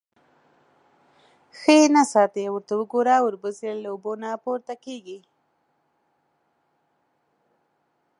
_ښه يې نه ساتې. ورته وګوره، وربوز يې له اوبو نه پورته کېږي.